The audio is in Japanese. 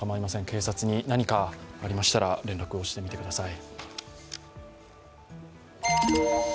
警察に何かありましたら連絡してみてください。